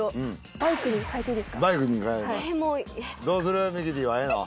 バイクに変えるどうするミキティはええの？